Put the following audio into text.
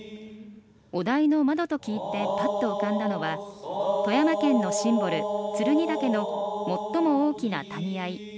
お題の「窓」と聞いてパッと浮かんだのは富山県のシンボル・剱岳の最も大きな谷あい